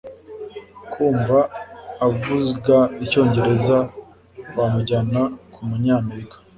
Kumva avuga icyongereza wamujyana kumunyamerika